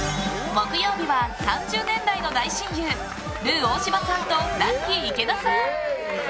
木曜日は、３０年来の大親友ルー大柴さんとラッキィ池田さん。